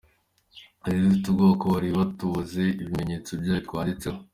Twari dufite ubwoba ko bari butubaze ibimenyetso by’ayo twanditseho.